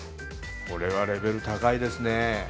これはレベル高いですね。